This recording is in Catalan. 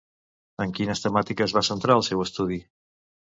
En quines temàtiques va centrar el seu estudi?